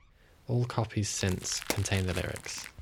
All copies since contain the lyrics.